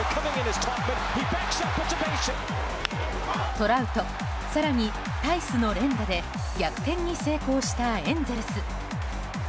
トラウト、更にタイスの連打で逆転に成功したエンゼルス。